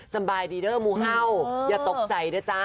สบายดีเด้อมูเห่าอย่าตกใจนะจ๊ะ